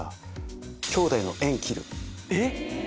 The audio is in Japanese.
えっ⁉